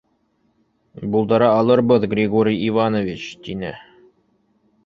— Булдыра алырбыҙ, Григорий Иванович, — тине.